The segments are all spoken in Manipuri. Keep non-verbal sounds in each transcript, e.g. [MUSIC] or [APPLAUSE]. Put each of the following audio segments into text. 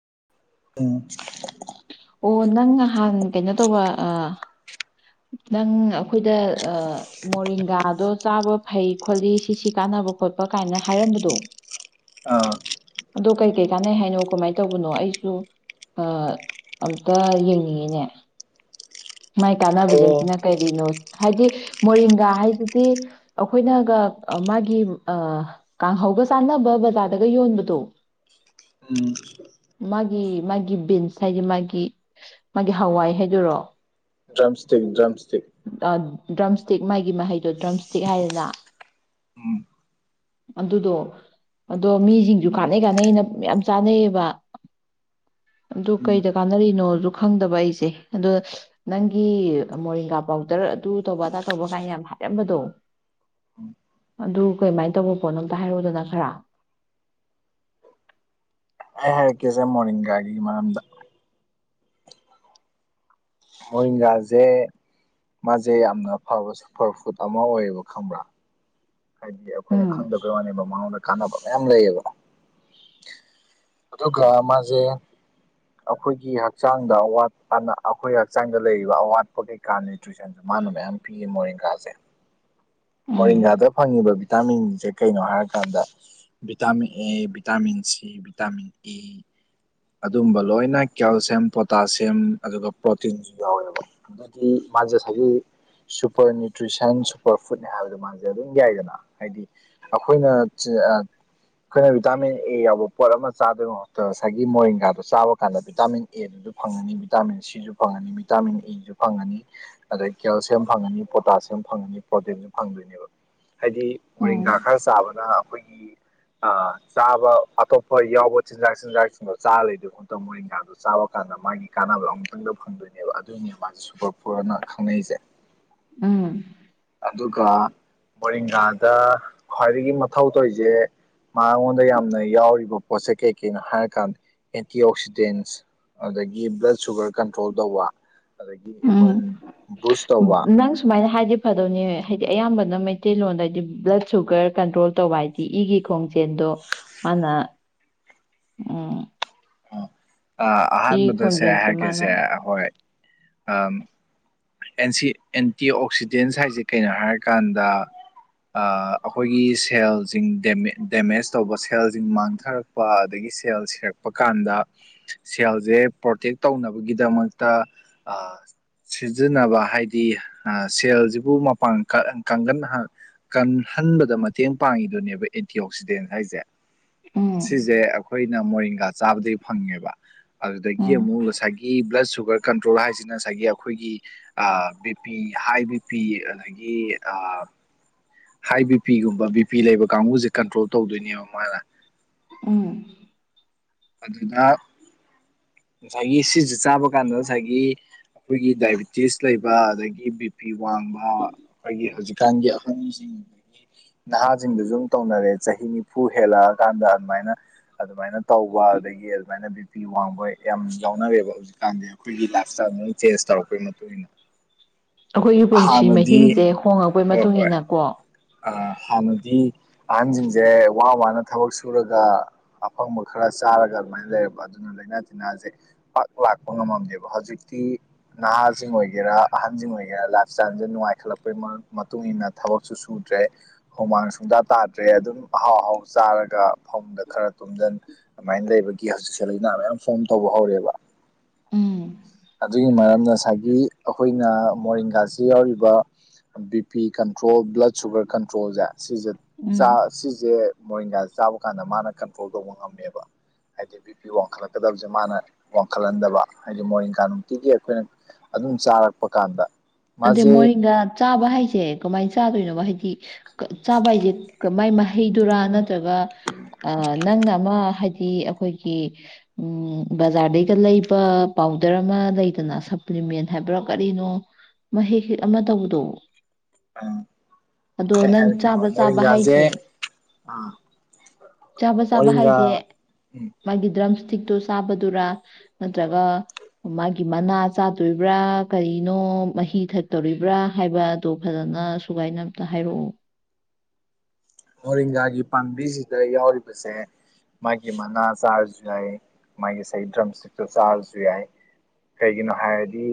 [INAUDIBLE] ꯑꯣ ꯅꯪ ꯅꯍꯥꯟ ꯀꯩꯅꯣ ꯇꯧꯕ ꯑꯥ ꯅꯪ ꯑꯩꯈꯣꯏꯗ ꯑ ꯃꯣꯔꯤꯡꯒꯥꯗꯣ ꯆꯥꯕ ꯐꯩ ꯈꯣꯠꯂꯤ ꯁꯤꯁꯤ ꯀꯥꯟꯅꯕ ꯈꯣꯠꯄ ꯀꯥꯏꯅ ꯍꯥꯏꯔꯝꯕꯗꯣ ꯑꯗꯣ ꯀꯩ ꯀꯩ ꯂꯥꯠꯅꯩ ꯍꯥꯏꯅꯣ ꯀꯃꯥꯏ ꯇꯧꯕꯅꯣ ꯑꯩꯁꯨ ꯑꯥ ꯑꯝꯇ ꯌꯦꯡꯅꯤꯡꯉꯤꯅꯦ ꯃꯥꯏ ꯑꯣ ꯀꯥꯟꯅꯕꯁꯤꯡꯁꯤꯅ ꯀꯔꯤꯅꯣ ꯍꯥꯏꯗꯤ ꯃꯣꯔꯤꯡꯒꯥ ꯍꯥꯏꯁꯤꯗꯤ ꯑꯩꯈꯣꯏꯅꯒ ꯃꯥꯒꯤ ꯑ ꯀꯥꯡꯍꯧꯒ ꯆꯥꯟꯅꯕ ꯕꯖꯥꯔꯗꯒ ꯌꯣꯟꯕꯗꯣ ꯎꯝ [INAUDIBLE] ꯃꯥꯒꯤ ꯃꯥꯒꯤ ꯕꯤꯟꯁ ꯉꯁꯥꯏꯒꯤ ꯃꯥꯒꯤ ꯃꯥꯒꯤ ꯍꯋꯥꯏ ꯍꯥꯏꯗꯨꯔꯣ ꯗ꯭ꯔꯝꯁꯇꯤꯛ ꯗ꯭ꯔꯝꯁꯇꯤꯛ ꯗ꯭ꯔꯝꯁꯇꯤꯛ ꯃꯥꯒꯤ ꯃꯍꯩꯗꯣ ꯗ꯭ꯔꯝꯁꯇꯤꯛ ꯍꯥꯏꯗꯅ ꯎꯝ [INAUDIBLE] ꯑꯗꯨꯗꯣ ꯑꯗꯣ ꯃꯤꯁꯤꯡꯁꯨ ꯀꯥꯟꯅꯩ ꯀꯥꯟꯅꯩꯩꯅ ꯃꯌꯥꯝ ꯆꯥꯅꯩꯌꯦꯕ ꯑꯗꯨ ꯀꯩꯗ ꯀꯥꯟꯅꯔꯤꯅꯣꯗꯁꯨ ꯈꯪꯗꯕ ꯑꯩꯁꯦ ꯑꯗꯣ ꯅꯪꯒꯤ ꯃꯣꯔꯤꯡꯒꯥ ꯄꯥꯎꯗꯔ ꯑꯗꯨ ꯇꯧꯕ ꯑꯗꯥ ꯇꯧꯕ ꯀꯥꯏꯅ ꯌꯥꯝ ꯍꯥꯏꯔꯝꯕꯗꯣ ꯑꯩ ꯑꯗꯨ ꯀꯩꯃꯥꯏꯅ ꯇꯧꯕ ꯄꯣꯠꯅꯣ ꯑꯝꯇ ꯍꯥꯏꯔꯛꯑꯣꯗꯅ ꯈꯔ ꯑꯩ ꯍꯥꯏꯔꯛꯀꯦꯁꯦ ꯃꯣꯔꯤꯡꯒꯥꯒꯤ ꯃꯔꯝꯗ ꯃꯣꯔꯤꯡꯒꯥꯁꯦ ꯃꯥꯁꯦ ꯌꯥꯝꯅ ꯐꯕ ꯁꯨꯄꯔ ꯐꯨꯗ ꯑꯃ ꯑꯣꯏꯌꯦꯕ ꯈꯪꯕ꯭ꯔꯥ ꯍꯥꯏꯗꯤ ꯑꯩꯈꯣꯏꯅ ꯎꯝ ꯈꯪꯗꯕꯩꯋꯥꯅꯦꯕ ꯃꯉꯣꯟꯗ ꯀꯥꯟꯅꯕ ꯃꯌꯥꯝ ꯂꯩꯌꯦꯕ [INAUDIBLE] ꯑꯗꯨꯒ ꯃꯥꯁꯦ ꯑꯩꯈꯣꯏꯒꯤ ꯍꯛꯆꯥꯡꯗ ꯑꯋꯥꯠꯄꯅ ꯑꯩꯈꯣꯏ ꯍꯛꯆꯥꯡꯗ ꯂꯩꯔꯤꯕ ꯑꯋꯥꯠꯄ ꯀꯩꯀꯥ ꯅ꯭ꯌꯨꯇ꯭ꯔꯤꯁꯟꯁꯨ ꯃꯥꯅ ꯃꯌꯥꯝ ꯄꯤꯌꯦ ꯃꯣꯔꯤꯡꯒꯥꯁꯦ ꯎꯝ ꯃꯣꯔꯤꯡꯒꯥꯗ ꯐꯪꯉꯤꯕ ꯚꯤꯇꯥꯃꯤꯟꯁꯦ ꯀꯩꯅꯣ ꯍꯥꯏꯔꯀꯥꯟꯗ vitamin A vitamin C vitamin E ꯑꯗꯨꯝꯕ ꯂꯣꯏꯅ ꯀꯦꯜꯁꯤꯌꯝ ꯄꯣꯇꯥꯁꯤꯌꯝ ꯑꯗꯨꯒ ꯄ꯭ꯔꯣꯇꯤꯟꯁꯨ ꯌꯥꯎꯋꯦꯕ ꯑꯗꯨꯗꯤ ꯃꯥꯁꯦ ꯉꯁꯥꯏꯒꯤ ꯁꯨꯄꯔ ꯅ꯭ꯌꯨꯇ꯭ꯔꯤꯁꯟ ꯁꯨꯄꯔ ꯐꯨꯗꯅꯦ ꯍꯥꯏꯕꯗꯣ ꯃꯥꯁꯦ ꯑꯗꯨꯝ ꯌꯥꯏꯗꯅ ꯍꯥꯏꯗꯤ ꯑꯩꯈꯣꯏꯅ ꯑꯥ ꯑꯩꯈꯣꯏꯅ ꯚꯤꯇꯥꯃꯤꯟ ꯑꯦ ꯌꯥꯎꯕ ꯄꯣꯠ ꯑꯃ ꯆꯥꯕꯩ ꯃꯍꯨꯠꯇ ꯉꯁꯥꯏ ꯒꯤ ꯃꯣꯔꯦꯡꯒꯥꯥꯗꯣ ꯆꯥꯕ ꯀꯥꯟꯗ ꯚꯤꯇꯥꯃꯤꯟ ꯑꯦꯗꯨꯁꯨ ꯐꯪꯉꯅꯤ ꯚꯤꯇꯥꯃꯤꯟ ꯁꯤꯁꯨ ꯐꯪꯉꯅꯤ ꯚꯤꯇꯥꯃꯤꯟ ꯏꯁꯨ ꯐꯪꯉꯅꯤ ꯑꯗꯩ ꯀꯦꯜꯁꯤꯌꯝ ꯐꯪꯉꯅꯤ ꯄꯣꯇꯥꯁꯤꯌꯝ ꯐꯪꯉꯅꯤ ꯄ꯭ꯔꯣꯇꯤꯟꯁꯨ ꯐꯪꯗꯣꯏꯅꯦꯕ ꯍꯥꯏꯗꯤ ꯎꯝ ꯃꯣꯔꯤꯡꯒꯥ ꯈꯔ ꯆꯥꯕꯗ ꯑꯩꯈꯣꯏꯒꯤ ꯑꯥ ꯆꯥꯕ ꯑꯇꯣꯞꯄ ꯌꯥꯎꯕ ꯆꯤꯟꯖꯥꯛ ꯆꯤꯟꯖꯥꯛ ꯆꯥꯔꯥ ꯂꯩꯗꯣꯏ ꯃꯍꯨꯠꯇ ꯃꯣꯔꯤꯡꯒꯥꯥꯗꯣ ꯆꯥꯕ ꯀꯥꯟꯗ ꯃꯥꯒꯤ ꯀꯥꯟꯅꯕꯗꯣ ꯑꯃꯨꯛꯇꯪꯗ ꯐꯪꯗꯣꯏꯅꯦꯕ ꯑꯗꯨꯏꯅꯦꯕ ꯃꯥꯁꯦ ꯁꯨꯄꯔ ꯐꯨꯗ ꯑꯅ ꯈꯪꯅꯩꯁꯦ ꯎꯝ ꯑꯗꯨꯒ ꯃꯣꯏꯔꯤꯡꯒꯥꯗ ꯈ꯭ꯋꯥꯏꯗꯒꯤ ꯃꯊꯧ ꯇꯧꯔꯤꯖꯦ ꯃꯥꯉꯣꯟꯗ ꯌꯥꯝꯅ ꯌꯥꯎꯔꯤꯕ ꯄꯣꯠꯁꯦ ꯀꯩꯀꯩꯅꯣ ꯍꯥꯏꯔꯀꯥꯟꯗ ꯑꯦꯟꯇꯤ ꯑꯣꯛꯁꯤꯗꯦꯟꯁ ꯑꯗꯒꯤ ꯕ꯭ꯂꯠ ꯁꯨꯒꯔ ꯀꯟꯇ꯭ꯔꯣꯜ ꯇꯧꯕ ꯑꯗꯒꯤ ꯎꯝ ꯏꯃꯨꯟ ꯕꯨꯁ ꯇꯧꯕ ꯅꯪ ꯁꯨꯃꯥꯏꯅ ꯍꯥꯏꯗꯤ ꯐꯗꯧꯅꯦ ꯍꯥꯏꯗꯤ ꯑꯌꯥꯝꯕꯅ ꯃꯩꯇꯩꯂꯣꯟꯗ ꯍꯥꯏꯗꯤ ꯕ꯭ꯂꯠ ꯁꯨꯒꯔ ꯀꯟꯇ꯭ꯔꯣꯜ ꯇꯧꯕ ꯍꯥꯏꯗꯤ ꯏꯒꯤ ꯈꯣꯡ ꯌꯦꯟꯗꯣ ꯃꯥꯅ ꯎꯝ ꯍꯥ ꯑꯥ ꯏ ꯑꯍꯥꯟꯕꯗ ꯁꯦ ꯈꯣꯡꯖꯦꯜꯁꯦ ꯍꯥꯏꯒꯦꯁꯦ ꯃꯥꯅ ꯑꯍꯣꯏ ꯑ ꯑꯦꯟꯁꯤ ꯑꯦꯟꯇꯤ ꯑꯣꯛꯁꯤꯗꯦꯟꯁ ꯍꯥꯏꯁꯦ ꯀꯩꯅꯣ ꯍꯥꯏꯔꯀꯥꯟꯗ ꯑꯥ ꯑꯩꯈꯣꯏꯒꯤ ꯁꯦꯜꯖꯤꯡ ꯗꯦꯝ ꯗꯦꯃꯦꯖ ꯇꯧꯕ ꯁꯦꯜꯖꯤꯡ ꯃꯥꯡꯊꯔꯛꯄ ꯑꯗꯒꯤ ꯁꯦꯜ ꯁꯤꯔꯛ ꯔꯛꯄ ꯀꯥꯟꯗ ꯁꯦꯜꯖꯦ ꯄ꯭ꯔꯣꯇꯦꯛ ꯇꯧꯅꯕꯒꯤꯗꯃꯛꯇ ꯑ ꯁꯤꯖꯤꯟꯅꯕ ꯍꯥꯏꯗꯤ ꯑ ꯁꯦꯜꯖꯤꯕꯨ ꯃꯄꯥꯟ ꯀꯪ ꯀꯪꯍꯜ ꯍꯥꯟꯅ ꯀꯜꯍꯟꯕꯗ ꯃꯇꯦꯡ ꯄꯥꯡꯉꯤꯗꯨꯅꯦꯕ ꯑꯦꯟꯇꯤ ꯑꯣꯛꯁꯤꯗꯦꯟ ꯍꯥꯏꯖꯦ ꯎꯝ ꯁꯤꯁꯦ ꯑꯩꯈꯣꯏꯅ ꯃꯣꯔꯤꯡꯒꯥ ꯆꯥꯕꯗꯒꯤ ꯐꯪꯉꯦꯕ ꯑꯗꯨꯗꯒꯤ ꯎꯝ ꯑꯃꯨꯛ ꯉꯁꯥꯏꯒꯤ ꯕ꯭ꯂꯠ ꯁꯨꯒꯔ ꯀꯟꯇ꯭ꯔꯣꯜ ꯍꯥꯏꯁꯤꯅ ꯉꯁꯥꯏꯒꯤ ꯑꯩꯈꯣꯏꯒꯤ B P high B P ꯑꯗꯒꯤ ꯍꯥꯏ ꯕꯤ ꯄꯤꯒꯨꯝꯕ ꯕꯤ ꯄꯤ ꯂꯩꯕ ꯀꯥꯡꯒꯨꯖꯦ ꯀꯟꯇ꯭ꯔꯣꯜ ꯇꯧꯗꯣꯏꯅꯦꯕ ꯃꯥꯅ ꯎꯝ ꯑꯗꯨꯗ ꯉꯁꯥꯏꯒꯤ ꯁꯤꯁꯦ ꯆꯥꯕ ꯀꯥꯟꯗ ꯉꯁꯥꯏꯒꯤ ꯑꯩꯈꯣꯏꯒꯤ ꯗꯥꯏꯕꯤꯇꯤꯁ ꯂꯩꯕ ꯑꯗꯒꯤ ꯕꯤ ꯄꯤ ꯋꯥꯡꯕ ꯑꯩꯈꯣꯏꯒꯤ ꯍꯧꯖꯤꯛꯀꯥꯟꯒꯤ ꯑꯍꯟꯖꯤꯡ ꯅꯍꯥꯖꯤꯡꯗꯁꯨ ꯑꯗꯨꯝ ꯇꯧꯅꯔꯦ ꯆꯍꯤ ꯅꯤꯐꯨ ꯍꯦꯜꯂꯛꯑꯀꯥꯟꯗ ꯑꯗꯨꯃꯥꯏꯅ ꯑꯗꯨꯃꯥꯏꯅ ꯇꯧꯕ ꯑꯗꯒꯤ ꯑꯗꯨꯃꯥꯏꯅ ꯕꯤ ꯕꯤꯄꯤ ꯋꯥꯡꯕ ꯌꯥꯝ ꯌꯥꯎꯅꯔꯦꯕ ꯍꯧꯖꯤꯛꯀꯥꯟꯗꯤ ꯑꯩꯈꯣꯏꯒꯤ ꯂꯥꯏꯞ ꯏꯁꯇꯥꯏꯜꯖꯦ ꯂꯣꯏ ꯆꯦꯟꯖ ꯇꯧꯔꯛꯄꯒꯤ ꯃꯇꯨꯡ ꯏꯟꯅ ꯑꯩꯈꯣꯏꯒꯤ ꯄꯨꯟꯁꯤ ꯍꯥꯟꯅꯗꯤ ꯃꯍꯤꯡꯁꯦ ꯍꯣꯡꯉꯛꯄꯩ ꯃꯇꯨꯡ ꯏꯟꯅ ꯀꯣ ꯑꯥ ꯍꯥꯟꯅꯗꯤ ꯑꯍꯟꯁꯤꯡꯁꯦ ꯋꯥ ꯋꯥꯅ ꯊꯕꯛ ꯁꯨꯔꯒ ꯑꯐꯪꯕ ꯈꯔ ꯆꯥꯔꯒ ꯑꯗꯨꯃꯥꯏꯅ ꯂꯩꯔꯕ ꯑꯗꯨꯅ ꯂꯩꯅꯥ ꯇꯤꯟꯅꯥꯁꯦ ꯄꯥꯛ ꯂꯥꯛꯄ ꯉꯝꯃꯝꯗꯦꯕ ꯍꯧꯖꯤꯛꯇꯤ ꯅꯍꯥꯁꯤꯡ ꯑꯣꯏꯒꯦꯔꯥ ꯑꯍꯟꯁꯤꯡ ꯑꯣꯏꯒꯦꯔꯥ ꯂꯥꯏꯞ ꯏꯁꯇꯥꯏꯜꯁꯦ ꯅꯨꯡꯉꯥꯏꯈꯠꯂꯛꯄꯒꯤ ꯃ ꯃꯇꯨꯡꯏꯟꯅ ꯊꯕꯛꯁꯨꯨ ꯁꯨ ꯔꯦ ꯍꯨꯃꯥꯡ ꯁꯨꯡꯗꯥ ꯇꯥꯗ꯭ꯔꯦ ꯑꯗꯨꯝ ꯑꯍꯥꯎ ꯑꯍꯥꯎ ꯆꯥꯔꯒ ꯐꯃꯨꯡꯗ ꯈꯔ ꯇꯨꯝꯖꯟ ꯑꯗꯨꯃꯥꯏꯅ ꯂꯩꯕꯒꯤ ꯍꯧꯖꯤꯛꯁꯦ ꯂꯥꯏꯅꯥ ꯃꯌꯥꯝ ꯐꯣꯝ ꯇꯧꯕ ꯍꯧꯔꯦꯕ ꯎꯝ ꯑꯗꯨꯒꯤ ꯃꯔꯝꯅ ꯉꯁꯥꯏꯒꯤ ꯑꯩꯈꯣꯏꯅ ꯃꯣꯔꯤꯡꯒꯥꯁꯤꯗ ꯌꯥꯎꯔꯤꯕ B P control blood sugar ꯀꯟꯇ꯭ꯔꯣꯜꯖꯦ ꯁꯤꯖꯦ ꯎꯝ ꯆꯥ ꯁꯤꯖꯦ ꯃꯣꯔꯤꯡꯒꯥꯖꯦ ꯆꯥꯕ ꯀꯥꯟꯗ ꯃꯥꯅ ꯀꯟꯇ꯭ꯔꯣꯜ ꯇꯧꯕ ꯉꯝꯃꯦꯕ ꯍꯥꯏꯗꯤ ꯕꯤ ꯄꯤ ꯋꯥꯡꯈꯠꯂꯛꯀꯗꯕꯖꯦ ꯃꯥꯅ ꯋꯥꯡꯈꯠꯍꯟꯗꯕ ꯍꯥꯏꯗꯤ ꯃꯣꯔꯦꯡꯀꯥ ꯅꯨꯡꯇꯤꯒꯤ ꯑꯩꯈꯣꯏꯅ ꯑꯗꯨꯝ ꯆꯥꯔꯛꯄ ꯀꯥꯟꯗ ꯑꯗ ꯃꯥꯁꯦ ꯃꯣꯔꯦꯡꯒ ꯆꯥꯕ ꯍꯥꯏꯁꯦ ꯀꯃꯥꯏꯅ ꯆꯥꯗꯣꯏꯅꯣ ꯋꯥ ꯍꯥꯢꯗꯤ ꯀ ꯆꯥꯕ ꯍꯥꯏꯖꯦ ꯀꯃꯥꯢ ꯃꯥꯢ ꯍꯩꯗꯨꯔꯥ ꯅꯠꯇ ꯑꯗꯨꯒ ꯅꯪꯅ ꯑꯃ ꯍꯥꯏ ꯗꯤ ꯑꯩꯈꯣꯏꯒꯤ ꯎꯝ ꯕꯖꯥꯔꯗꯩꯒ ꯂꯩꯕ ꯄꯥꯎꯗꯔ ꯑꯃ ꯂꯩꯗꯅ ꯁꯄ꯭ꯂꯤꯃꯦꯟ ꯍꯥꯏꯕ꯭ꯔꯥ ꯀꯔꯤꯅꯣ ꯃꯍꯤ ꯍꯦꯛ ꯑꯃ ꯇꯧꯕꯗꯣ ꯑꯗꯣ ꯀꯩ ꯅꯪ ꯆꯥꯕ ꯍꯥꯏꯔꯛꯀꯦꯕ ꯆꯥꯕ ꯃꯣꯔꯤꯡꯒꯥꯁꯦ ꯍꯥꯏꯁꯦ ꯆꯥꯕ ꯆꯥꯕ ꯍꯥꯏꯁꯦ ꯃꯣꯔꯤꯡꯒꯥ ꯎꯝ ꯃꯥꯒꯤ ꯗ꯭ꯔꯝꯁ ꯊꯤꯛꯇꯣ ꯆꯥꯕꯗꯨꯔꯥ ꯅꯠꯇ꯭ꯔꯒ ꯃꯥꯒꯤ ꯃꯅꯥ ꯆꯥꯗꯣꯏꯕ꯭ꯔꯥ ꯀꯔꯤꯅꯣ ꯃꯍꯤ ꯊꯛꯇꯧꯔꯤꯕ꯭ꯔꯥ ꯍꯥꯏꯕꯗꯣ ꯐꯖꯅ ꯁꯨꯒꯥꯏꯅ ꯑꯝꯇ ꯍꯥꯏꯔꯛꯑꯣ ꯃꯔꯤꯡꯒꯥꯒꯤ ꯄꯥꯝꯕꯤꯁꯤꯗ ꯌꯥꯎꯔꯤꯕꯁꯦ ꯃꯥꯒꯤ ꯃꯅꯥ ꯆꯥꯔꯁꯨ ꯌꯥꯏ ꯃꯥꯒꯤ ꯁꯦꯒꯤ ꯗ꯭ꯔꯝ ꯏꯁꯇꯤꯛꯇꯣ ꯆꯥꯔꯁꯨ ꯌꯥꯏ ꯀꯩꯒꯤꯅꯣ ꯍꯥꯏꯔꯗꯤ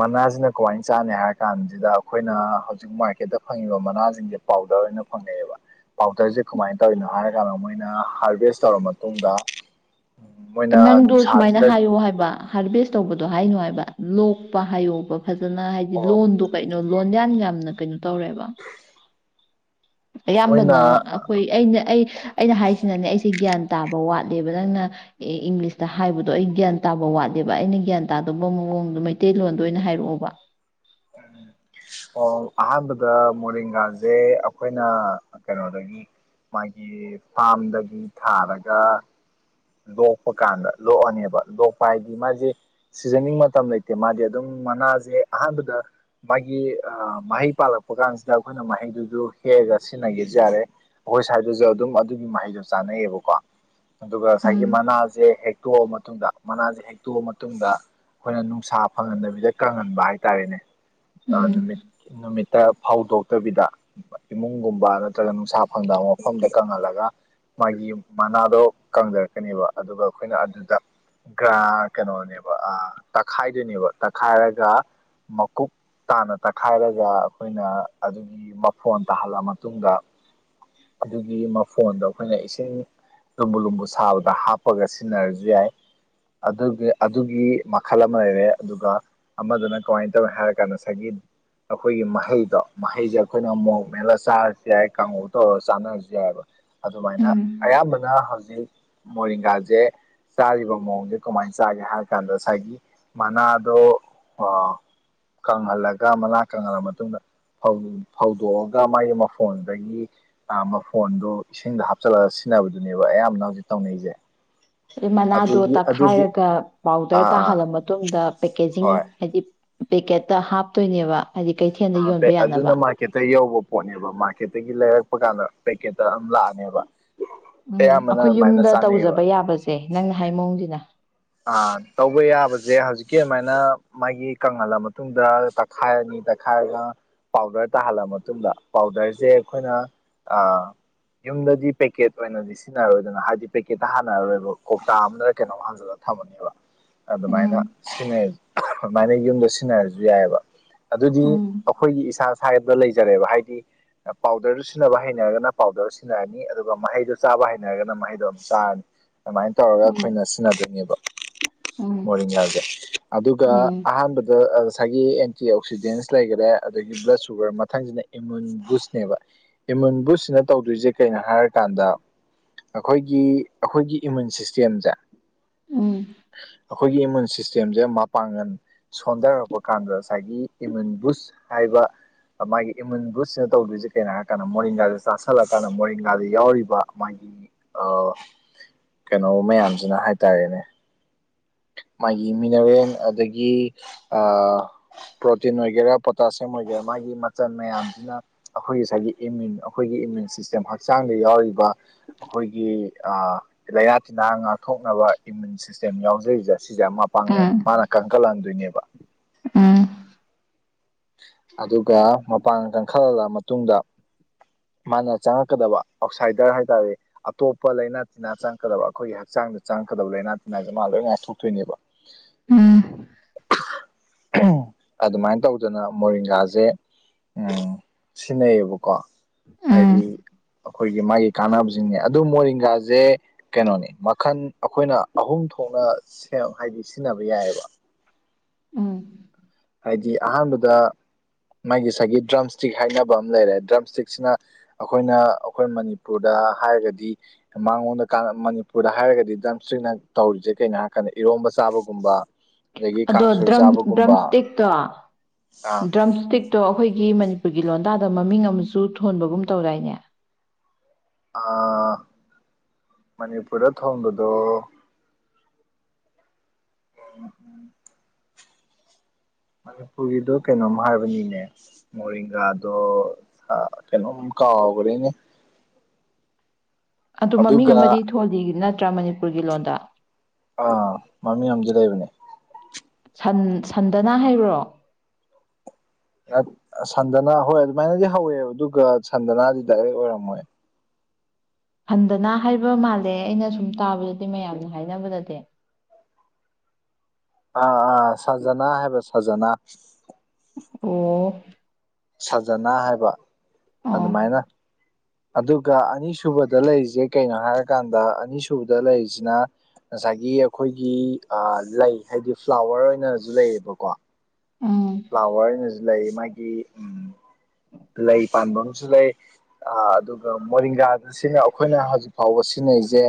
ꯃꯅꯥꯁꯤꯅ ꯀꯃꯥꯏꯅ ꯆꯥꯅꯤ ꯍꯥꯏꯔ ꯀꯥꯟꯁꯤꯗ ꯑꯩꯈꯣꯏꯅ ꯍꯧꯖꯤꯛ ꯃꯥꯔꯀꯦꯠꯇ ꯐꯪꯉꯤꯕ ꯃꯅꯥꯖꯤꯡꯖꯦ ꯄꯥꯎꯗꯔ ꯑꯣꯏꯅ ꯐꯪꯉꯦꯕ ꯄꯥꯎꯗꯔꯁꯦ ꯀꯃꯥꯏꯅ ꯇꯧꯔꯤꯅꯣ ꯍꯥꯏꯔ ꯀꯥꯟꯗ ꯃꯣꯏꯅ ꯍꯥꯔꯚꯦꯁ ꯇꯧꯔ ꯃꯇꯨꯡꯗ ꯃꯣꯏꯅ ꯅꯪꯗꯣ ꯁꯨꯃꯥꯏꯅ ꯅꯨꯡꯁꯥꯁꯤꯗ ꯍꯥꯏꯌꯣ ꯍꯥꯏꯕ ꯍꯥꯔꯚꯦꯁ ꯇꯧꯕꯗꯣ ꯍꯥꯏꯅꯣ ꯍꯥꯏꯕ ꯂꯣꯛꯄ ꯍꯥꯏꯌꯣꯄ ꯐꯖꯅ ꯍꯥꯏꯗꯤ ꯂꯣꯟꯗꯣ ꯀꯩꯅꯣ ꯂꯣꯟꯌꯥꯟ ꯌꯥꯝꯅ ꯀꯩꯅꯣ ꯇꯧꯔꯦꯕ ꯃꯣꯏꯅ ꯑꯌꯥꯝꯕꯅ ꯑꯩꯈꯣꯏ ꯑꯩꯅ ꯑꯩ ꯑꯩꯅ ꯍꯥꯏꯁꯤꯅꯅꯦ ꯑꯩꯁꯦ ꯒ꯭ꯌꯥꯟ ꯇꯥꯕ ꯋꯥꯠꯂꯦꯕ ꯅꯪꯅ ꯑꯦ ꯏꯪꯂꯤꯁꯇ ꯍꯥꯏꯕꯗꯣ ꯑꯩ ꯒ꯭ꯌꯥꯟ ꯇꯥꯕ ꯋꯥꯠꯂꯦꯕ ꯑꯩꯅ ꯒ꯭ꯌꯥꯟ ꯇꯥꯗꯕ ꯃꯑꯣꯡꯗꯣ ꯃꯩꯇꯩꯂꯣꯟꯗ ꯑꯣꯏꯅ ꯍꯥꯏꯔꯛꯑꯣꯕ ꯑꯣ ꯑꯍꯥꯟꯕꯗ ꯃꯣꯔꯤꯡꯒꯥꯖꯦ ꯑꯩꯈꯣꯏꯅ ꯀꯩꯅꯣꯗꯒꯤ ꯃꯥꯒꯤ ꯐ꯭ꯔꯥꯝꯗꯒꯤ ꯊꯥꯔꯒ ꯂꯣꯛꯄ ꯀꯥꯟꯗ ꯂꯣꯛꯑꯅꯦꯕ ꯂꯣꯛꯄ ꯍꯥꯏꯗꯤ ꯃꯥꯖꯦ ꯁꯤꯖꯟꯅꯤꯡ ꯃꯇꯝ ꯂꯩꯇꯦ ꯃꯥꯗꯤ ꯑꯗꯨꯝ ꯃꯅꯥꯁꯦ ꯑꯍꯥꯟꯕꯗ ꯃꯥꯒꯤ ꯑ ꯃꯍꯩ ꯄꯥꯜꯂꯛꯄ ꯀꯥꯟꯁꯤꯗ ꯑꯩꯈꯣꯏꯅ ꯃꯍꯩꯗꯨꯁꯨ ꯍꯦꯛꯑꯒ ꯁꯤꯖꯤꯟꯅꯒꯦꯁꯨ ꯌꯥꯔꯦ ꯑꯩꯈꯣꯏ ꯁ꯭ꯋꯥꯏꯗꯁꯨ ꯑꯗꯨꯝ ꯑꯗꯨꯒꯤ ꯃꯍꯩꯗꯣ ꯆꯥꯅꯩꯌꯦꯕꯀꯣ ꯑꯗꯨ ꯉꯁꯥꯏꯒꯤ ꯎꯝ ꯃꯅꯥꯖꯦ ꯍꯦꯛ ꯇꯣꯛꯑ ꯃꯇꯨꯡꯗ ꯃꯅꯥꯁꯦ ꯍꯦꯛꯇꯣꯛꯑ ꯃꯇꯨꯡꯗ ꯑꯩꯈꯣꯏꯅ ꯅꯨꯡꯁꯥ ꯐꯪꯍꯟꯗꯕꯤꯗ ꯀꯪꯍꯟꯕ ꯍꯥꯏꯇꯥꯔꯦꯅꯦ ꯑ ꯎꯝ ꯅꯨꯃꯤꯠ ꯅꯨꯃꯤꯠꯇ ꯐꯧꯗꯣꯛꯇꯕꯤꯗ ꯏꯃꯨꯡꯒꯨꯝꯕ ꯅꯠꯇ꯭ꯔꯒ ꯅꯨꯡꯁꯥ ꯐꯪꯗꯕ ꯃꯐꯝꯗ ꯀꯪꯍꯜꯂꯒ ꯃꯥꯒꯤ ꯌꯨꯝ ꯃꯅꯥꯗꯣ ꯀꯪꯊꯔꯛ ꯀꯅꯦꯕ ꯑꯗꯨꯒ ꯑꯩꯈꯣꯏꯅ ꯑꯗꯨꯗ ꯒ꯭ꯔꯥ ꯀꯩꯅꯣꯅꯦꯕ ꯑꯥ ꯇꯛꯈꯥꯏꯗꯣꯏꯅꯦꯕ ꯇꯛꯈꯥꯏꯔꯒ ꯃꯀꯨꯞ ꯇꯥꯅ ꯇꯛꯈꯥꯏꯔꯒ ꯑꯩꯈꯣꯏꯅ ꯑꯗꯨꯒꯤ ꯃꯐꯣꯟ ꯇꯥꯍꯜꯂ ꯃꯇꯨꯡꯗ ꯑꯗꯨꯒꯤ ꯃꯐꯣꯟꯗꯣ ꯑꯩꯈꯣꯏꯅ ꯏꯁꯤꯡ ꯂꯨꯝꯕꯨ ꯂꯨꯝꯕꯨ ꯁꯥꯕ ꯍꯥꯞꯄꯒ ꯁꯤꯖꯤꯟꯅꯔꯁꯨ ꯌꯥꯏ ꯑꯗꯨꯒꯤ ꯑꯗꯨꯒꯤ ꯃꯈꯜ ꯑꯃ ꯂꯩꯔꯦ ꯑꯗꯨꯒ ꯑꯃꯗꯨꯅ ꯀꯃꯥꯏꯅ ꯇꯧꯌꯦ ꯍꯥꯏꯔꯀꯥꯟꯗ ꯉꯁꯥꯏꯒꯤ ꯑꯩꯈꯣꯏꯒꯤ ꯃꯍꯩꯗꯣ ꯃꯍꯩꯁꯦ ꯑꯩꯈꯣꯏꯅ ꯃꯣꯂꯣꯛ ꯃꯦꯠꯂꯒ ꯆꯥꯔꯁꯨ ꯌꯥꯏ ꯀꯥꯡꯉꯨ ꯇꯧꯔꯒ ꯆꯥꯅꯔꯁꯨ ꯌꯥꯏꯕ ꯑꯗꯨꯃꯥꯏꯅ ꯎꯝ ꯑꯌꯥꯝꯕꯅ ꯍꯧꯖꯤꯛ ꯃꯣꯔꯤꯡꯒꯥꯁꯦ ꯆꯥꯔꯤꯕ ꯃꯑꯣꯡꯁꯦ ꯀꯃꯥꯏ ꯆꯥꯒꯦ ꯍꯥꯏꯔ ꯀꯥꯟꯗ ꯉꯁꯥꯏꯒꯤ ꯃꯅꯥꯗꯣ ꯑ ꯀꯪꯍꯜꯂꯒ ꯃꯅꯥ ꯀꯪꯍꯜꯂ ꯃꯇꯨꯡꯗ ꯐꯧꯗꯣꯛꯑꯒ ꯃꯥꯒꯤ ꯃꯐꯣꯟꯗꯒꯤ ꯑ ꯃꯐꯣꯟꯗꯣ ꯏꯁꯤꯡꯗ ꯍꯥꯞꯆꯤꯜꯂꯒ ꯁꯤꯖꯤꯟꯅꯕꯗꯨꯅꯦꯕ ꯑꯌꯥꯝꯕꯅ ꯍꯧꯖꯤꯛ ꯇꯧꯅꯩꯖꯦ ꯑꯗꯩ ꯃꯅꯥꯗꯣ ꯇꯛꯈꯥꯏꯔꯒ ꯄꯥꯎꯗꯔ ꯑꯥ ꯑꯥ ꯇꯥꯍꯜꯂ ꯃꯇꯨꯡꯗ ꯄꯦꯀꯦꯖꯤꯡ ꯍꯣꯏ ꯍꯥꯏꯗꯤ ꯄꯦꯀꯦꯠꯇ ꯍꯥꯞꯇꯣꯏꯅꯦꯕ ꯍꯥꯏꯗꯤ ꯀꯩꯊꯦꯜꯗ ꯑ ꯕꯦ ꯌꯣꯟꯕ ꯑꯗꯨꯅ ꯌꯥꯅꯕ ꯃꯥꯔꯀꯦꯠꯇ ꯌꯧꯕ ꯄꯣꯠꯅꯦꯕ ꯃꯥꯔꯀꯦꯠꯇꯒꯤ ꯂꯩꯔꯛꯄ ꯀꯥꯟꯗ ꯄꯦꯛꯀꯦꯠꯇ ꯑꯗꯨꯝ ꯂꯥꯛꯑꯅꯦꯕ ꯎꯝ ꯑꯌꯥꯝꯕꯅ ꯑꯩꯈꯣꯏ ꯑꯗꯨꯃꯥꯏꯅ ꯌꯨꯝꯗ ꯆꯥꯅꯩꯌꯦꯕ ꯇꯧꯖꯕ ꯌꯥꯕꯁꯦ ꯅꯪꯅ ꯍꯥꯏ ꯃꯑꯣꯡꯁꯤꯅ ꯑ ꯇꯧꯕ ꯌꯥꯕꯖꯦ ꯍꯧꯖꯤꯛꯀꯤ ꯑꯃꯥꯏꯅ ꯃꯥꯒꯤ ꯀꯪꯍꯜꯂ ꯃꯇꯨꯡꯗ ꯇꯛꯈꯥꯏꯔꯅꯤ ꯇꯛꯈꯥꯏꯔꯒ ꯄꯥꯎꯗꯔ ꯇꯥꯍꯜꯂ ꯃꯇꯨꯡꯗ ꯄꯥꯎꯗꯔꯁꯦ ꯑꯩꯈꯣꯏꯅ ꯑ ꯌꯨꯝꯗꯗꯤ ꯄꯦꯀꯦꯠ ꯑꯣꯏꯅꯗꯤ ꯁꯤꯖꯤꯟꯅꯔꯣꯏꯗꯅ ꯍꯥꯏꯗꯤ ꯄꯦꯀꯦꯠꯇ ꯍꯥꯜꯂꯛꯑꯔꯣꯏꯕ ꯀꯣꯛꯇꯥ ꯑꯃꯗꯅ ꯀꯩꯅꯣꯝ ꯍꯥꯟꯖꯜꯂ ꯊꯃꯅꯦꯕ ꯎꯝ ꯑꯗꯨꯃꯥꯏꯅ ꯁꯤꯟꯅꯩ ꯑꯗꯨꯃꯥꯏꯅ ꯌꯨꯝꯗ ꯁꯤꯖꯤꯟꯅꯔꯁꯨ ꯌꯥꯏꯑꯕ ꯑꯗꯨꯗꯤ ꯎꯝ ꯑꯩꯈꯣꯏꯒꯤ ꯏꯁꯥ ꯏꯁꯥꯏ ꯌꯨꯝꯗ ꯂꯩꯖꯔꯦꯕ ꯍꯥꯏꯗꯤ ꯄꯥꯎꯗꯔꯗꯨ ꯁꯤꯖꯤꯟꯅꯕ ꯍꯩꯅꯔꯒꯅ ꯄꯥꯎꯗꯔ ꯁꯤꯟꯅꯔꯅꯤ ꯑꯗꯨꯒ ꯃꯍꯩꯗꯣ ꯆꯥꯕ ꯍꯩꯅꯔꯒꯅ ꯃꯍꯩꯗꯣ ꯑꯗꯨꯝ ꯆꯥꯔꯅꯤ ꯑꯗꯨꯃꯥꯏꯅ ꯇꯧꯔꯒ ꯎꯝ ꯑꯩꯈꯣꯏꯅ ꯁꯤꯖꯤꯟꯅꯗꯣꯏꯅꯦꯕ ꯎꯝ ꯃꯣꯔꯤꯡꯒꯥꯖꯦ ꯑꯗꯨꯒ ꯎꯝ ꯑꯍꯥꯟꯕꯗ ꯑꯁ ꯉꯁꯥꯏꯒꯤ ꯑꯦꯟꯇꯤ ꯑꯣꯛꯁꯤꯖꯦꯟꯁ ꯂꯩꯈꯔꯦ ꯑꯗꯒꯤ ꯕ꯭ꯂꯗꯁ ꯁꯨꯒꯔ ꯃꯊꯪꯁꯤꯅ ꯏꯃꯨꯟ ꯕꯨꯁꯅꯦꯕ ꯏꯃꯨꯟ ꯕꯨꯁꯁꯤꯅ ꯇꯧꯗꯣꯏꯁꯦ ꯀꯩꯅꯣ ꯍꯥꯏꯔꯀꯥꯟꯗ ꯑꯩꯈꯣꯏꯒꯤ ꯑꯩꯈꯣꯏꯒꯤ ꯏꯃꯨꯟ ꯁꯤꯁꯇꯦꯝꯁꯦ ꯎꯝ ꯑꯩꯈꯣꯏꯒꯤ ꯏꯃꯨꯟ ꯁꯤꯁꯇꯦꯝꯁꯦ ꯃꯄꯥꯡꯒꯜ ꯁꯣꯟꯊꯔꯛꯄ ꯀꯥꯟꯗ ꯉꯁꯥꯏꯒꯤ ꯏꯃꯨꯟ ꯕꯨꯁ ꯍꯥꯏꯕ ꯃꯥꯒꯤ ꯏꯃꯨꯟ ꯕꯨꯁꯁꯤꯅ ꯇꯧꯗꯣꯏꯁꯦ ꯀꯩꯅꯣ ꯍꯥꯏꯔꯀꯥꯟꯗ ꯃꯣꯔꯤꯡꯒꯥꯁꯦ ꯆꯥꯥꯁꯜꯂꯀꯥꯟꯗ ꯃꯣꯔꯤꯡꯒꯥꯗ ꯌꯥꯎꯔꯤꯕ ꯃꯥꯒꯤ ꯑꯥ ꯀꯩꯅꯣ ꯃꯌꯥꯝꯁꯤꯅ ꯍꯥꯏ ꯇꯔꯦꯅꯦ ꯃꯥꯒꯤ ꯃꯤꯅꯔꯦꯟ ꯑꯗꯒꯤ ꯑꯥ ꯄ꯭ꯔꯣꯇꯤꯟ ꯑꯣꯏꯒꯦꯔꯥ ꯄꯣꯇꯥꯁꯤꯌꯝ ꯑꯣꯏꯒꯦꯔꯥ ꯃꯥꯒꯤ ꯃꯆꯜ ꯃꯌꯥꯝꯁꯤꯅ ꯑꯩꯈꯣꯏꯒꯤ ꯉꯁꯥꯏꯒꯤ ꯏꯃ꯭ꯌꯨꯟ ꯑꯩꯈꯣꯏꯒꯤ ꯏꯃ꯭ꯌꯨꯟ ꯁꯤꯁꯇꯦꯝ ꯍꯛꯆꯥꯡꯗ ꯌꯥꯎꯔꯤꯕ ꯑꯩꯈꯣꯏꯒꯤ ꯑꯥ ꯂꯩꯅꯥ ꯇꯤꯟꯅꯥ ꯉꯥꯛꯊꯣꯛꯅꯕ ꯏꯃ꯭ꯌꯨꯟ ꯁꯤꯁꯇꯦꯝ ꯌꯥꯎꯖ [INAUDIBLE] ꯁꯤꯁꯦ ꯃꯄꯥꯡꯒꯜ ꯃꯥꯅ ꯀꯟꯒꯠꯍꯟꯗꯣꯏꯅꯦꯕ ꯎꯨꯝ ꯑꯗꯨꯒ ꯃꯄꯥꯡꯒꯜ ꯀꯟꯈꯠꯍꯜꯂ ꯃꯇꯨꯡꯗ ꯃꯥꯅ ꯆꯪꯉꯛꯀꯗꯕ ꯑꯥꯎꯠꯁꯥꯏꯗꯔ ꯍꯥꯏ ꯇꯥꯔꯦ ꯑꯇꯣꯞꯄ ꯂꯩꯥꯅꯥ ꯇꯤꯟꯅꯥ ꯆꯪꯉꯛꯀꯗꯕ ꯑꯩꯈꯣꯏꯒꯤ ꯍꯛꯆꯥꯡꯗ ꯆꯪꯉꯛꯀꯗꯕ ꯂꯩꯅꯥ ꯇꯤꯟꯅꯥꯁꯦ ꯃꯥ ꯂꯣꯏ ꯉꯥꯛꯊꯣꯛꯇꯣꯏꯅꯦꯕ ꯎꯝ ꯑꯗꯨꯃꯥꯏꯅ ꯇꯧꯗꯅ ꯃꯔꯤꯡꯒꯥꯖꯦ ꯎꯝ ꯁꯤꯟꯅꯩꯌꯦꯕꯀꯣ ꯎꯝ ꯍꯥꯏꯗꯤ ꯑꯩꯈꯣꯏꯒꯤ ꯃꯥꯒꯤ ꯀꯥꯟꯅꯕꯁꯤꯡꯅꯦ ꯑꯗꯨ ꯃꯣꯔꯤꯡꯒꯥꯖꯦ ꯀꯩꯅꯣꯅꯦ ꯃꯈꯟ ꯑꯩꯈꯣꯏꯅ ꯑꯍꯨꯝ ꯊꯣꯛꯅ ꯁꯦꯝ ꯍꯥꯏꯗꯤ ꯁꯤꯖꯤꯟꯅꯕ ꯌꯥꯏꯌꯦꯕ ꯎꯝ ꯍꯥꯏꯗꯤ ꯑꯍꯥꯟꯕꯗ ꯃꯥꯒꯤ ꯉꯁꯥꯏꯒꯤ ꯗ꯭ꯔꯝꯁꯇꯤꯛ ꯍꯥꯏꯅꯕ ꯑꯃ ꯂꯩꯔꯦ ꯗ꯭ꯔꯝ ꯏꯁꯇꯤꯛꯁꯤꯅ ꯑꯩꯈꯣꯏꯅ ꯑꯩꯈꯣꯏ ꯃꯅꯤꯄꯨꯔꯗ ꯍꯥꯏꯔꯒꯗꯤ ꯃꯉꯣꯟꯗ ꯀꯥꯟ ꯃꯅꯤꯄꯨꯔꯗ ꯍꯥꯏꯔꯒꯗꯤ ꯗ꯭ꯔꯝ ꯏꯁꯇꯤꯛꯅ ꯇꯧꯔꯤꯁꯦ ꯀꯩꯅꯣ ꯍꯥꯏꯔꯀꯥꯟꯗ ꯏꯔꯣꯝꯕ ꯆꯥꯕꯒꯨꯝꯕ ꯑꯗꯒꯤ ꯀꯥꯡꯁꯣꯏ ꯆꯥꯕꯒꯨꯝꯕ ꯗ ꯗ꯭ꯔꯝ ꯏ꯭ꯁꯇꯤꯛꯇꯣ ꯑꯩꯈꯣꯏꯒꯤ ꯑꯩꯒꯤ ꯃꯅꯤꯄꯨꯔꯒꯤ ꯂꯣꯟꯗꯥꯗ ꯃꯃꯤꯡ ꯑꯃꯁꯨ ꯊꯣꯟꯕꯒꯨꯝ ꯇꯧꯗꯥꯏꯅꯦ ꯑꯥ ꯃꯅꯤꯄꯨꯔꯗ ꯊꯣꯟꯕꯗꯣ ꯎ ꯃꯅꯤꯄꯨꯔꯒꯤꯗꯣ ꯀꯩꯅꯣꯝ ꯍꯥꯏꯕꯅꯤꯅꯦ ꯃꯔꯣꯡꯒꯥꯗꯣ ꯀꯩꯅꯣꯝ ꯀꯥꯎꯈ꯭ꯔꯦꯅꯦ ꯑꯗꯨ ꯃꯃꯤꯡ ꯑꯃꯗꯤ ꯑꯗꯨꯒ ꯊꯣꯜꯂꯤ ꯅꯠ ꯑꯟꯇ꯭ꯔꯥ ꯃꯅꯤꯄꯨꯔꯒꯤ ꯂꯣꯟꯗ ꯑꯥ ꯃꯃꯤꯡ ꯑꯃꯗꯤ ꯂꯩꯕꯅꯦ ꯁꯟ ꯁꯟꯗꯅ ꯍꯥꯏꯕ꯭ꯔꯣ ꯔꯠ ꯁꯟꯗꯅꯥ ꯍꯣꯏ ꯑꯗꯨꯃꯥꯏꯅꯗꯤ ꯍꯧꯋꯦꯕ ꯑꯗꯨꯒ ꯁꯟꯗꯅꯥꯗꯤ ꯗꯥꯏꯔꯦꯛ ꯑꯣꯏꯔꯝꯃꯣꯏ ꯍꯟꯗꯅ ꯍꯥꯏꯕ ꯃꯥꯜꯂꯦ ꯑꯩꯅ ꯁꯨꯝ ꯇꯥꯕꯗꯗꯤ ꯃꯌꯥꯝꯅ ꯍꯥꯏꯅꯕꯗꯗꯤ ꯑꯥ ꯑꯥ ꯁꯖꯅꯥ ꯍꯥꯏꯕ ꯁꯖꯅꯥ ꯑꯣ ꯁꯖꯅ ꯍꯥꯏꯕ ꯑꯣ ꯑꯗꯨꯃꯥꯏꯅ ꯑꯗꯨꯒ ꯑꯅꯤꯁꯨꯕꯗ ꯂꯩꯔꯤꯁꯦ ꯀꯩꯅꯣ ꯍꯥꯏꯔꯀꯥꯟꯗ ꯑꯅꯤꯁꯨꯕꯗ ꯂꯩꯔꯤꯁꯤꯅ ꯉꯁꯥꯏꯒꯤ ꯑꯩꯈꯣꯏꯒꯤ ꯑ ꯂꯩ ꯍꯥꯏꯗꯤ ꯐ꯭꯭ꯂꯥꯋꯔ ꯑꯣꯏꯅꯁꯨ ꯂꯩꯌꯦꯕꯀꯣ ꯎꯝ ꯐ꯭ꯥꯂꯋꯥ꯭ꯔ ꯂꯩ ꯃꯥꯒꯤ ꯎꯝ ꯂꯩ ꯄꯥꯟꯕ ꯑꯃꯁꯨ ꯂꯩ ꯑ ꯑꯗꯨꯒ ꯃꯣꯔꯤꯡꯒꯥꯗ ꯁꯤꯅ ꯑꯩꯈꯣꯏꯅ ꯍꯧꯖꯤꯛ ꯐꯥꯎꯕ ꯁꯤꯖꯤꯟꯅꯁꯦ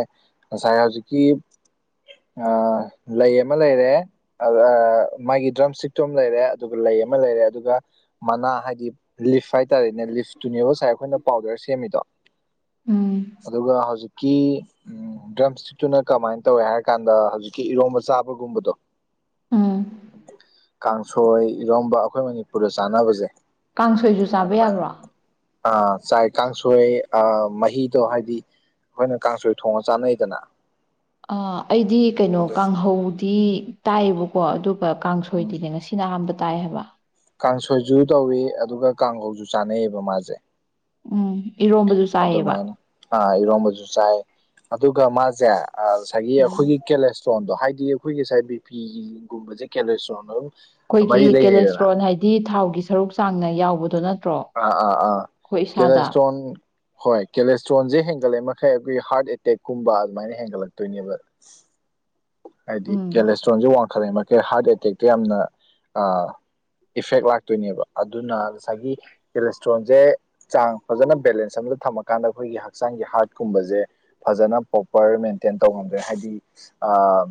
ꯉꯁꯥꯏ ꯍꯧꯖꯤꯛꯀꯤ ꯑ ꯂꯩ ꯑꯃ ꯂꯩꯔꯦ ꯃꯥꯒꯤ ꯗ꯭ꯔꯝ ꯏꯁꯇꯤꯛꯇꯣ ꯑꯃ ꯂꯩꯔꯦ ꯑꯗꯨꯒ ꯂꯩ ꯑꯃ ꯂꯩꯔꯦ ꯑꯗꯨꯒ ꯃꯅꯥ ꯍꯥꯏꯗꯤ ꯂꯤꯞꯐ ꯍꯥꯇꯔꯦꯅꯦ ꯂꯤꯞꯇꯨꯅꯦ ꯉꯁꯥꯏ ꯑꯩꯈꯣ ꯄꯥꯎꯗꯔ ꯁꯦꯝꯃꯤꯗꯣ ꯎꯝ ꯑꯗꯨꯒ ꯍꯧꯖꯤꯛ ꯀꯤ ꯎꯝ ꯗ꯭ꯔꯝ ꯏꯁꯇꯤꯛꯇꯨꯅ ꯀꯃꯥꯏꯅ ꯇꯧꯋꯦ ꯍꯥꯏꯔ ꯀꯥꯟꯗ ꯍꯧꯖꯤꯛꯀꯤ ꯏꯔꯣꯝꯕ ꯆꯥꯕꯒꯨꯝꯕꯗꯣ ꯎꯝ ꯀꯥꯡ ꯁꯣꯏ ꯏꯔꯣꯝꯕ ꯑꯩꯈꯣꯏ ꯃꯅꯤꯄꯨꯔꯗ ꯆꯥꯟꯅꯕꯁꯦ ꯀꯥꯡꯁꯣꯏꯁꯨ ꯆꯥꯕ ꯌꯥꯕ꯭ꯔꯣ ꯑ ꯆꯥꯏ ꯀꯥꯡꯁꯣꯏ ꯑ ꯃꯍꯤꯗꯣ ꯍꯥꯏꯗꯤ ꯑꯩꯈꯣꯏꯅ ꯀꯥꯡꯁꯣꯏ ꯊꯣꯡꯉꯥ ꯆꯥꯅꯩꯗꯅ ꯑ ꯑꯩꯗꯤ ꯀꯩꯅꯣ ꯀꯥꯡꯍꯧ ꯗꯤ ꯇꯥꯏꯌꯦꯕ ꯀꯣ ꯀ ꯎꯝ ꯀꯥꯡꯁꯣꯏꯗꯨꯗꯤ ꯉꯁꯤꯅ ꯑꯍꯥꯟꯕ ꯇꯥꯏ ꯍꯥꯏꯕ ꯀꯥꯡꯁꯣꯏꯁꯨ ꯇꯧꯏ ꯑꯗꯨꯒ ꯀꯥꯡꯈꯧꯁꯨ ꯆꯥꯅꯩꯌꯦꯕ ꯃꯥꯁꯦ ꯎꯝ ꯏꯔꯣꯝꯕꯗꯨ ꯆꯥꯏꯌꯦꯕ ꯑꯗꯨꯃꯥꯏꯅ ꯑ ꯏꯔꯣꯝꯕꯁꯨ ꯆꯥꯏ ꯑꯗꯨꯒ ꯃꯥꯁꯦ ꯉꯁꯥꯏꯒꯤ ꯎꯝ ꯑꯩꯈꯣꯏꯒꯤ ꯀꯦꯂꯦꯁ ꯇ꯭ꯔꯣꯟꯗꯣ ꯍꯥꯏꯗꯤ ꯑꯩꯈꯣꯏꯒꯤ ꯉꯁꯥꯏ ꯕꯤꯄꯤꯒꯤ ꯒꯨꯝꯕꯁꯦ ꯀꯦꯂꯣꯁꯇ꯭ꯔꯣꯟ ꯂꯣꯏ ꯑꯩꯈꯣꯏꯒꯤ ꯀꯦꯂꯦꯁꯇ꯭ꯔꯣꯟ ꯍꯥꯏꯗꯤ ꯊꯥꯎꯒꯤ ꯁꯔꯨꯛ ꯇꯥꯡꯅ ꯌꯥꯎꯕꯗꯣ ꯅꯠ ꯑꯥ ꯑꯥ ꯑꯥ ꯀꯦꯂꯦꯁꯇ꯭ꯔꯣꯟ ꯍꯣꯏ ꯀꯦꯂꯦꯁꯇ꯭ꯔꯣꯟꯖꯦ ꯍꯦꯟꯒꯠꯂꯩ ꯃꯈꯩ ꯑꯩꯈꯣꯏꯒꯤ ꯍꯥꯔꯠ ꯑꯦꯇꯦꯛꯀꯨꯝꯕ ꯑꯗꯨꯃꯥꯏꯅ ꯍꯦꯟꯒꯠꯂꯛꯇꯣꯏꯅꯦꯕ ꯍꯥꯏꯗꯤ ꯎꯝ ꯀꯦꯂꯦꯁꯇ꯭ꯔꯣꯟꯁꯦ ꯋꯥꯡ ꯐꯔꯤ ꯃꯈꯩ ꯍꯥꯔꯠ ꯑꯦꯇꯦꯛꯇ ꯌꯥꯝꯅ ꯑꯥ ꯏꯐꯦꯛ ꯂꯥꯛꯇꯣꯏꯅꯦꯕ ꯑꯗꯨꯅ ꯉꯁꯥꯏꯒꯤ ꯀꯦꯂꯦꯁꯇ꯭ꯔꯣꯟꯁꯦ ꯆꯥꯡ ꯐꯖꯅ ꯕꯦꯂꯦꯟꯁ ꯑꯃꯗ ꯊꯝꯃꯀꯥꯟꯗ ꯑꯩꯈꯣꯏꯒꯤ ꯍꯛꯆꯥꯡꯒꯤ ꯍꯥꯔꯠꯀꯨꯝꯕꯁꯦ ꯐꯖꯅ ꯄ꯭ꯔꯣꯄꯔ ꯃꯦꯟꯇꯦꯟ ꯇꯧꯉꯝꯗꯨꯏꯅꯦ ꯍꯥꯏꯗꯤ ꯑ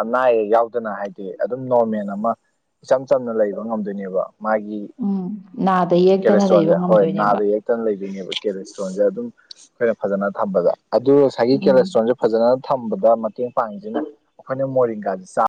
ꯑꯅꯥ ꯑꯌꯦꯛ ꯌꯥꯎꯗꯅ ꯍꯥꯏꯗꯤ ꯑꯗꯨꯝ ꯅꯣꯔꯃꯦꯜ ꯑꯃ ꯏꯆꯝ ꯆꯝꯅ ꯂꯩꯕ ꯉꯝꯗꯣꯏꯅꯦꯕ ꯃꯥꯒꯤ ꯎꯝ ꯅꯥꯗ ꯌꯦꯛꯇꯅ ꯂꯩꯕ ꯀꯦꯂꯦꯁꯇ꯭ꯔꯣꯟꯁꯦ ꯍꯣꯏ ꯉꯝꯗꯣꯏꯅꯦꯕ ꯅꯥꯗ ꯌꯦꯛꯇꯅ ꯂꯩꯗꯣꯏꯅꯦꯕ ꯀꯦꯂꯦꯁꯇ꯭ꯔꯣꯟꯁꯦ ꯑꯗꯨꯝ ꯑꯩꯈꯣꯏꯅ ꯐꯖꯅ ꯊꯝꯕꯗ ꯑꯗꯨ ꯉꯁꯥꯏꯒꯤ ꯎꯝ ꯀꯦꯂꯦꯁꯇ꯭ꯔꯣꯟꯁꯦ ꯐꯖꯅ ꯊꯝꯕꯗ ꯃꯠ ꯃꯇꯦꯡ ꯄꯥꯡꯗꯨꯅ ꯑꯩꯈꯣꯏꯅ ꯃꯣꯔꯤꯒꯥꯁꯤ ꯆꯥ